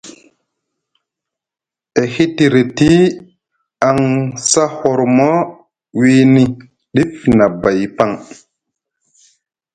E hitriti aŋ sa hormo wiini ɗif nʼabay paŋ,